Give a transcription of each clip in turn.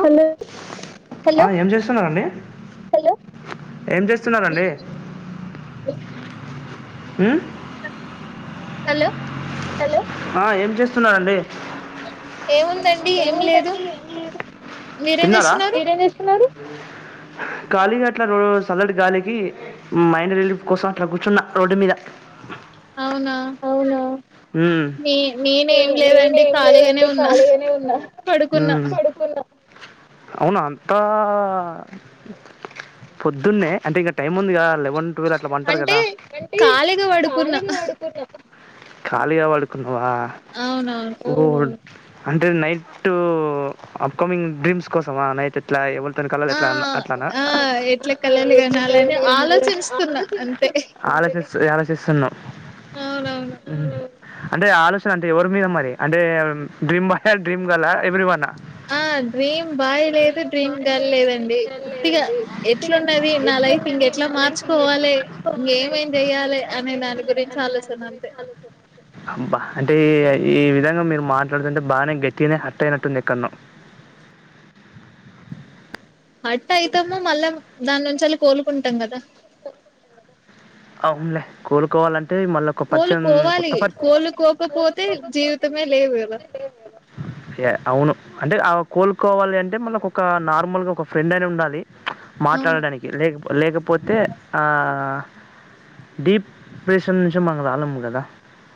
Hello ఆ hello ఏం చేస్తున్నారండి హలో ఏం చేస్తున్నారండి ఉమ్ హలో హలో ఆ ఏం చేస్తున్నారండి ఏముందండి ఏం లేదు మీరేం తిన్నారా చేస్తున్నారు ఖాళీగా అట్లా రో సల్లడ్ గాలికి మైండ్ రిలీఫ్ కోసం అట్లా కూర్చున్న రోడ్డు మీద అవునా నే నే నేనేం నేను లేదండి ఏం ఖాళీగానే లేదండి ఉన్నా ఖాళీగానే ఉన్నా పడుకున్నా పడుకున్నా అవునా అంతా పొద్దున్నే అంటే ఇంకా టైం ఉందికా లే వన్ టూవెల్ అట్లా వంటరు అంటే కదా ఖాళీగా పడుకున్నా ఖాళీగా వడుకున్నావా అవునవును ఓ అంటే నైట్ అప్కమింగ్ డ్రీమ్స్ కోసమా నైట్ ఎట్లా ఎవ కలలు ఆ ఎట్లా అట్లానా ఆ ఎట్లా కళలు కనాలని ఆలోచిస్తున్నా అంతే ఆలోచిస్ ఆలోచిస్తున్నవు అవునవును అంటే ఆలోచన అంటే ఎవరి మీద మరి అంటే డ్రీమ్ బాయా, డ్రీమ్ గర్లా, ఎవ్రీ వనా. ఆ డ్రీమ్ బాయ్ లేదు, డ్రీమ్ గర్ల్ లేదండి వుత్తిగా ఎట్లున్నది నా లైఫ్ ఇంకెట్లా మార్చుకోవాలే, ఇంకేమేం చెయాలే అనే దాని గురించి ఆలోచన అంతే ఆలోచన అంతే అబ్బా అంటే ఈ విధంగా మీరు మాట్లాడుతుంటే బాగానే గట్టిగానే హర్ట్ అయినట్టుంది ఎక్కడనో హట్ అయితము మళ్ళా దాని నుంచి ఎళ్ళి కోలుకుంటాం కదా అవునులే కోలుకోవాలం కోలుకోవాలి కోలుకోకపోతే జీవితమే లేదు కదా. యా అవును అంటే ఆ కోలుకోవాలి అంటే మనకు ఒక నార్మల్గా ఒక ఫ్రెండ్ అని ఉండాలి. అవును మాట్లాడడానికి లేక లేకపోతే ఆ డిప్ ప్రేషన్ నుంచి మనం రాలేము కదా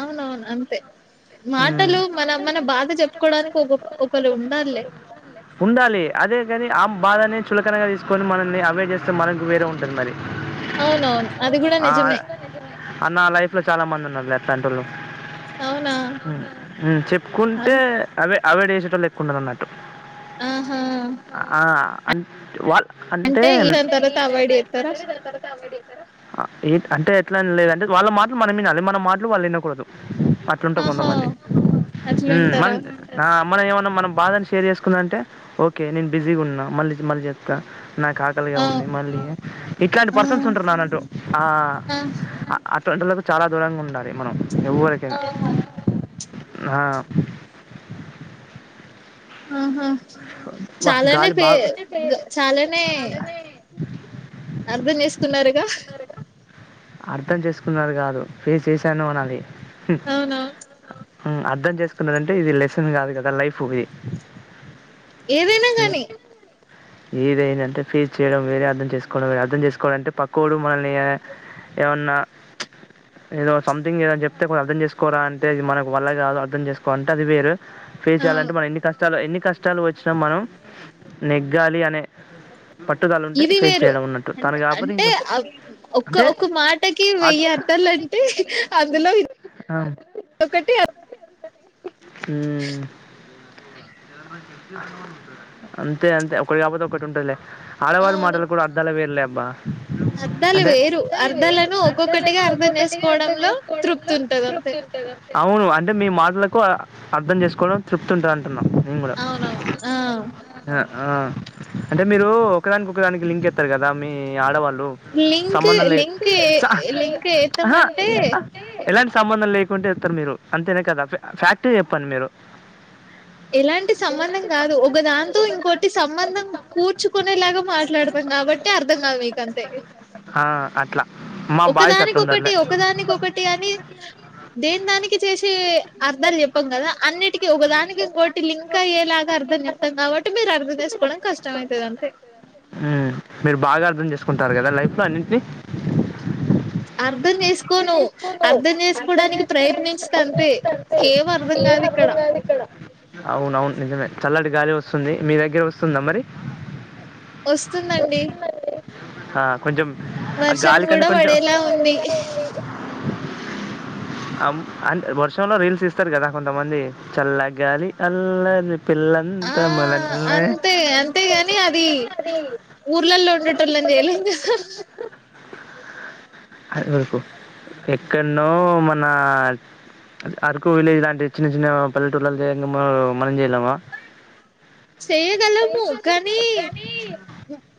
అవునవును అంతే హ్మ్. మాటలు మన మన బాధ చెప్పుకోవడానికి ఒక ఒకలు ఉండాలే ఉండాలి అదే కానీ ఆ బాధనే చులకనగా తీసుకొని మనల్ని అవైడ్ చేస్తే మనకు వేరే ఉంటది మరి అవునవును అది కూడా ఆ నిజమే అ నా లైఫ్ లో చాలా మంది ఉన్నారు. అట్లాంటోలు అవునా ఉమ్ చెప్పుకుంటే అన్ అవే అవైడ్ చేసే టోలు ఎక్కువ ఉన్నరన్నట్టు ఆహా ఆ అంటే వాళ్ అంటే ఈ దాని తర్వాత అవాయిడ్ చేస్తారా ఆ ఏ అంటే ఎట్లా లేదు అంటే వాళ్ళ మాటలు మనం వినాలి మన మాటలు వాళ్ళు వినకూడదు అట్లుంటా ఆహా కొంతమంది అట్లుంటారా మనం మనం ఏమన్నా మనం బాధని షేర్ చే చెతుందంటే ఓకే నేను బిజీగా ఉన్నా మళ్ళీ మళ్ళీ చెస్తా నాకు ఆకలిగా ఆ ఉంది మళ్ళీ ఇట్లాంటి ఆ పర్సన్స్ ఉంటారున్నంటు ఆ ఆ అటువంటి చాలా దూరంగా ఉండాలి మనం ఆ ఎవ్వరికైనా ఆహా అబ్బా! చాలానే గాలి పే బా చాలానే అర్థం చేసుకున్నారుగా అర్థం చేసుకున్నారు గాదు ఫేస్ చేశాను అనాలి అవునవును అర్ధం చేస్త చేసుకున్నదంటే ఇది లెసన్ కాదు కదా లైఫ్ ఇది ఏదైనా గాని ఏదేయినా అంటే ఫెస్ చేయడం వేరే అర్థం చేసుకోవడం వేరే అర్థం చేసుకోవడం అంటే పక్కోడు మనల్ని ఏమన్నా ఏదో సంథింగ్ ఏదో చెప్తే కొంచం అర్థం చేసుకోరా అంటే ఇది మనకు వల్ల కాదు అర్థం చేసుకోవా లంటే అది వేరు ఫేస్ అవును చేయాలంటే మన ఎన్ని కష్టాలు ఎన్ని కష్టాలు వచ్చినా మనం నెగ్గాలి అనే పట్టుదల ఉంటే ఇది ఫేస్ వేరు చేయడం ఉన్నట్టు అ తను కాకపోతే అంటే ఇంకో ఒ అంటే ఒక్క మాటకి అది వెయ్య అర్థ అంటే అందులో ఆ ఒకటి మ్ అంతే అంతే ఒకటి కాకపోతే ఒకటి ఉంటదిలే ఆడవాళ్ళ అవును మాటలు కూడా అర్ధాలు వేరలే బా అర్థాలు అంటే వేరు అర్ధాలు వేరు అర్థాలను ఒక్కొక్కటిగా అర్ధాలను అర్థం ఒక్కొక్కటిగా అర్ధం చేసుకోవడంలో తృప్తి చేసుకోవడంలో ఉంటది అంతే తృప్తిఉంటాది అంతే అవును అంటే మీ మాటలకు అర్థం చేసుకోవడం తృప్తుంటది అంటున్నా కూడా అవునవు ఆ ఆ ఆ అంటే మీరు ఒకదానికి ఒకదానికి లింక్ ఎస్తారు కదా మీ ఆడవాళ్ళు లింక్ సంబంధం లేని లింక్ లింక్ ఆహా ఏత్తామంటే సంబంధం లేకుంటే ఇస్తారు మీరు అంతేనే కదా ఫ్యాక్ట చెప్పండి మీరు ఎలాంటి సంబంధం గాదు ఒకదాంతో ఇంకోటి సంబంధం కూర్చుకునేలాగా మాట్లాడతాం కాబట్టి బట్టే అర్ధంగా దు మీక్ అంతే ఆ! అట్లా మా బాయ్స్ ఒకదానీ అట్లుండరులే. ఒకటి ఒకదానీ ఒకటి అని దేని దానికి చేసి అర్థాలు చెప్పాం గదా అన్నిటికి ఒకదానికి ఇంకోటి లింక అయేలాగా అర్థం చెప్తాం కాబట్టి అంటే మీరు అర్థం చేసుకోవడం కష్టం అయితది అంతే కుంటారు గదా లైఫ్లో అన్నింటినీ అర్ధం చేసుకోను అర్ధం చేసుకోడానికి ప్రయత్నించుత అంతే ఏం అర్థం కాదు ఇక్కడ అవునవును నిజమే చల్లటి గాలి వస్తుంది. మీ దగ్గర వస్తుందా మరి వస్తుందండి ఆ కొంచం వర్షం గూడా పడేలా ఉంది అమ్ అడ్ వర్షంలో రీల్స్ ఇస్తారు గదా కొంతమంది చల్లగ్గాలి అల్లరి ఆ పిల్లంతా మన్లన్నే అంతే అంతేగాని అది ఊర్లల్లో ఉండటళం చేయలేం గా అది వరకు ఎక్కడనో మనా అరకు విలేజ్ లాంటి చిన్న చిన్న పల్లెటూళ్ళలో చేయంగా మనం చేయలేమా చేయగలము కానీ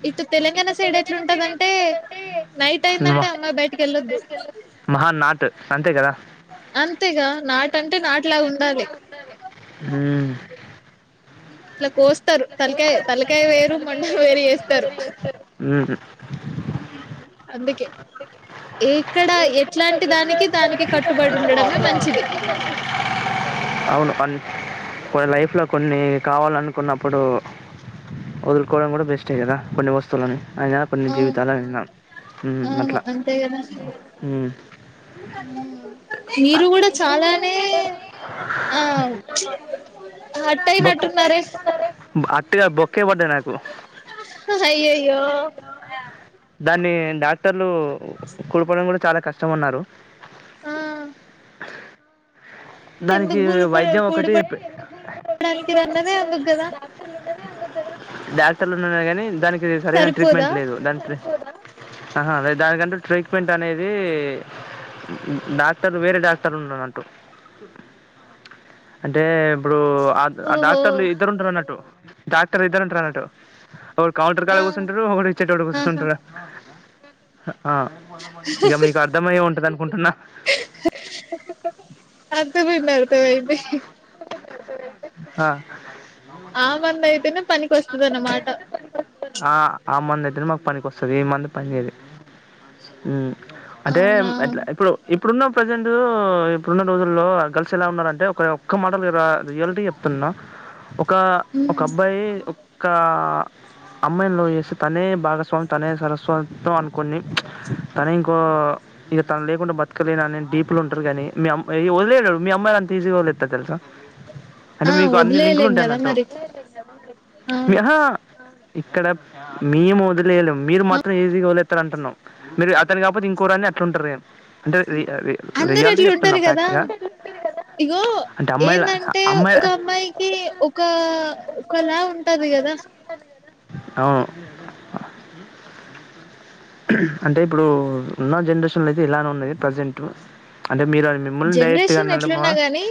ఇటు తెలంగాణ సైడ్ ఎట్లుంటది అంటే నైట్ అయిందంటే అమ్మాయి బయటకి వెళ్ళొద్దు మహా నాట్ అంతే గదా అంతేగా నాట్ అంటే నాట్ లాగా ఉండాలి ఉమ్ ఇట్ల కోస్తారు తలకాయ తలకాయ వేరు మొండం వేరు వేస్తారు మ్మ్ హు అందుకే ఎక్కడ ఎట్లాంటి దానికి దానికి కట్ కట్టుబడి ఉండడమే మంచిది అవును మన్ లైఫ్ లో కొన్ని కావాలనుకున్నప్పుడు వదులుకోవడం కూడా బెస్టే కదా కొన్ని వస్తువులని అయిన కొన్ని అవును జీవితాలన్నా మ్మ్ అవును అట్లా అంతే కదా మ్మ్ మీరు కూడా చాలానే ఆ హట్ బొక్ అయినట్టున్నారే అట్టుగా బొక్కే పడ్డాది నాకు అయ్యయ్యో దాన్ని డాక్టర్లు కుల్పడం కూడా చాలా కష్టం అన్నారు ఆ దానికి ఎందుకు బుడపడం వైద్యం ఒకటి బుడుపడ్ [unintelligible] క్టర్అన్నదే అందుకు గద డాక్టర్లు ఉన్నారు గానీ దానికి సరైన సరిపోదా ట్రీట్మెంట్ లేదు దానికి ఆహా అద దానికంటు ట్రీట్మెంట్ అనేది డాక్టర్ వేరే డాక్టర్ ఉన్నారు అంటరు అంటే ఇప్పుడు ఆ ఆ ఓహో డాక్టర్లు ఇద్దరు ఉంటారు అన్నట్టు డాక్టర్ ఇద్దరుంటారు అన్నట్లు ఒకరు కౌంటర్ కాడా ఆ కూర్సుంట్రారు ఒకడు ఇచ్చేటోడు ఆహా కూసుంటారు ఆ ఇగ మీకు అర్థమయ్యే ఉంటది అనుకుంటున్నా అర్థమైంది అర్థమైంది [unintelligible] అయితే ఆ మంద అయితేనే పనికి వస్ ఆ ఆ మందు అయితేనే మాకు పనికి వస్తది ఈ మందు పని చేయది మ్మ్ అంటే అవునా మ్మ్ అట్లా ఇప్పుడు ఇప్పుడున్న ప్రజెంట్ ఇప్పుడున్న రోజుల్లో గర్ల్స్ ఎలా ఉన్నారంటే ఒక ఒక్క మాట రిర రియలిటీ చెప్తున్నా ఒక ఉమ్ ఒక అబ్బాయి ఒక్ కా అమ్మాయి నీ లవ్ చేస్తే తనే భాగస్వామి తనే స్వరస్తం అనుకు కొన్ని కానీ ఇంకో ఇగ తను లేకుండా బతకలేను అనే డీప్లు ఉంటారు కాని వదిలేడు మీ అమ్మాయిలు అంత ఈజీగా వదిలెత్తారు తెలుసా అంటే ఆ మీకు అన్ని లింకులు వదిలేయలేం ఉంటాయి కద అన్నట్టు మరి అవును ఆహా ఇక్కడ మేము వదిలేయాలెం మీరు అ మాత్రం ఈజీగా వదిలేత్ త్తారు అంటున్నాం మీరు అతని కాకపోతే ఇంకోడు అని అట్లుంటారు అంటే రి రి అందరు రియాలిటీ అట్లు చెప్తున్నా ఉంటారు కదా ఫ్యాక్ట్గా ఇగో అంటే అమ్మాయిల ఏమంటే అమ్మాయి ఒక అమ్మాయికి ఒక ఒకలా ఉన్ టది గదా అవును అంటే ఇప్పుడు ఉన్న జనరేషన్లో అయితే ఇలానే ఉన్నది ప్రజెంట్ అంటే మీరు మిమ్మల్ని డైరెక్ట్గా జనరేషన్ ఎట్లున్నా అనడమా గాని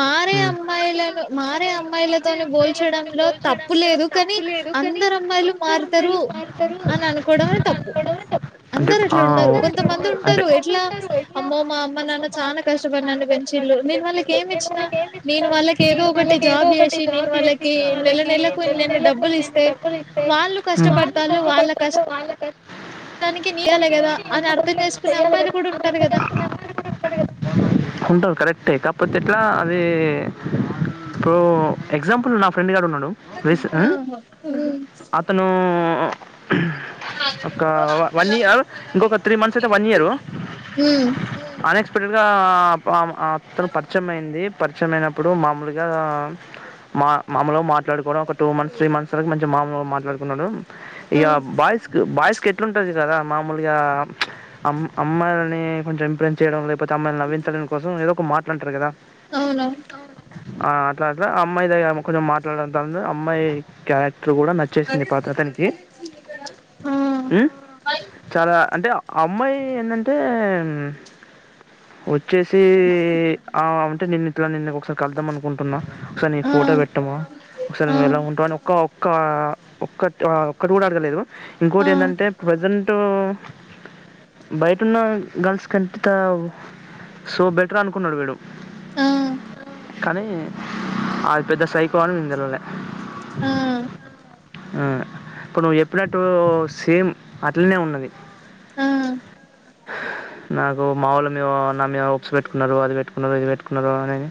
మారే అమ్మాయిలను మారే అమ్మాయిలతోని బో పోల్చడంలో తప్ తప్పు లేదు కానీ అందరు అమ్మాయిలు మారుతారు అని అనుకోవడమే తప్పు అంటే అందరు అట్ల ఆ ఉన్నారు ఓ కొంతమంది ఉంటారు అంటే ఎట్లా అమ్మో మా అమ్మ నాన్న చానా కష్టపడి నన్ను పెంచిల్లు నేను వాళ్ళకి ఏమి ఇచ్చిన నేను వాళ్ళకి ఏదో ఒకటి జాబ్ చేసి నేను వాళ్ళకి ఈ నెలకి నెలకు ఇన్ నేను డబ్బులు ఇస్తే వాళ్ళు కష్టపడతాళ్ళు వాళ్ళ కష్ట దానికి నీయ్యాలే కదా అని అర్థం చేసుకునే అమ్మాయిలు కూడా ఉంటారు కదా ఉంటరూ కరెక్టే కాకపోతే ఎట్లా అది ఓ ఎక్సంపుల్ నా ఫ్రెండ్ గాడు ఉన్నాడు ఆ వేసునా ఉమ్ అతను ఒక వన్ ఇయర్ ఇంకొక త్రీ మంత్స్ అయితే వన్ ఇయరు ఉమ్ అన్ ఎక్స్పెక్టెడ్ అతను పరిచయం అయింది పరిచయం అయినప్పుడు మామూలుగా మా మామలుగా మాట్లాడుకోవడం ఒక టూ మంత్స్ త్రీ మంత్స్ వరకు మంచి మామలు మాట్లాడుకున్నారూ ఆ ఇగ బాయ్స్ బాయ్స్ కేట్లు ఉంటది కదా మామలుగా అమ్మాయిలని కొంచెం ఇంప్రెస్స్ చేయ లే [unintelligible] నవ్వించడా కోసం ఏదో ఒక మాట్లాంటారు కదా అవునా ఆ అట్లా అట్లా అమ్మాయి దగ్గర కొంచెం మాట్లాడడం ఆ అమ్మాయి క్యా కూడా నచ్చేసింది పాత అతనికి ఆ చాలా అంటే అమ్మాయి ఎందంటే వచ్చేసి ఆ అంటే నేను ఇట్లా నిన్ని ఒకసారి కలుదాం అనుకుంటున్నా ఒకసారి నీ ఆ ఫోటో పెట్టవ ఒకసారి ఆ నువ్వు ఎలా ఆ ఉంటాని ఒ ఒక్క ఒక్క ఒక్కటి కూడా అడగలేదు ఇంకోటి ఏంటంటే ప్రజెంట్ అ బయటన్న గర్ల్స్ కంటే సో బెటర్ అనుకున్నాడు వీడు ఆ కానీ అది పెద్ద సైకో అని [unintelligible] తెలలే ఆ ఇప్పుడు నువ్వు చెప్పినట్టు సేమ్ అట్లనే ఉన్నది ఆ నాకు మా వాళ్లు మే నా ఉప్స్ పెట్టుకున్నారు అది పెట్టుకున్నారు ఇది పెట్టుకున్నారు అనీ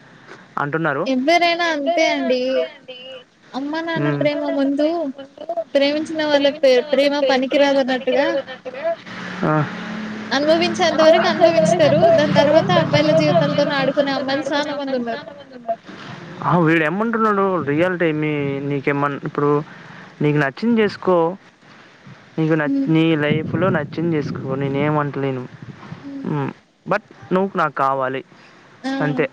అంటున్నారు ఎవ్వరైనా అంతే అండి అమ్మ నాన్న ప్రేమ ముందు ప్రేమించిన వాళ్ళ ప్రే ప్రేమ [unintelligible] ప్రేమ పనికిరాదన్నట్టుగా పనికిరాదు అన్నట్టుగా అనుభవించేంత వరకు అనుభవించుతారు దాని తర్వాత అబ్బాయిల జీవితాలతోనే ఆడుకునే అమ్మాయిలు చాలా మంది ఉన్నారు [unintelligible] ఆ వీడు ఎమ డు రియాలిటీ ఏమి నీకేమన్నా ఇప్పుడు నీకు నచ్చింది చేసుకో హ్మ్ నీ లైఫ్ లో నచ్చింది చేసుకో నేనే ఏమంటలేను బట్ నువ్ నాకు కావాలి ఆ అంతే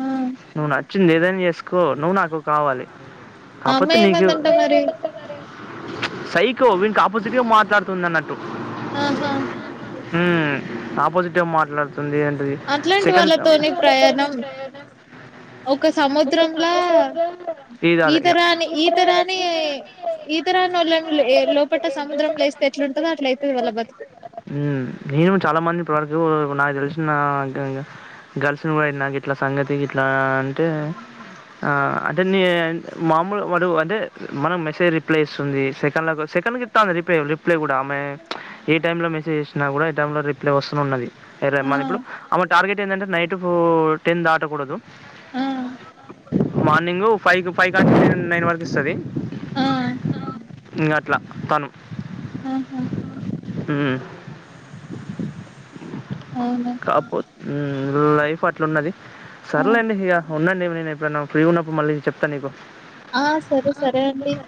ఆ నువ్వు నచ్చింది ఏదైనా చేసుకో నువ్వు నాకు కావాలి అమ్మా కాకపోతే నీకు ఏమందింటా మరి సైకో వీనికి ఆపోజిట్గా మాట్లాడుతుంది అన్నట్టు ఆహా ఆపోజిట్ మాట్లాడు తుంది అట్లాంటి వాళ్ళతోని ప్రయాణం ఒక సముద్రంలా [unintelligible] ఈతరాని ఈతరాని ఈతరాని వాళ్ళని లోపట సముద్రంలో ఎస్తే ఎట్లుంటందో అట్ల అయితే వాళ్ళ బతుక నేను చాలా మంది ఇప్పవరకు నాకు తెలిసిన గర్ల్స్ కూడ అయింది నాకు ఇట్లా సంగతి ఇట్లా అంటే ఆ అంటే మామూలు వాడు అంటే మనం మెసేజ్ రిప్లై ఇస్తుంది సెకండ్ రిప్లై కూడా ఆమె ఏ టైమ్ లో మెసేజ్ చేచ్చినా కూడా టై లో రిప్లై వస్తు ఉన్నది ఆ మని ఇప్పుడు ఆ టార్గెట్ ఏంటంటే నైట్ టెన్ దాటకూడదు ఆ మార్నింగు ఫైవ్ ఫైవ్ కానీ నైన్ వరకు ఇస్తుది ఆ ఇంకా అట్ల తను ఆహా హు అవునా [unintelligible] లైఫ్ అట్లున్నది సర్లేండి ఇక ఉన్నాం ఏమి నేను ఇప్పు ఫ్రీ ఉన్నప్పుడు మళ్ళీ చెప్తాను నీకు ఆ సరే సరే అండి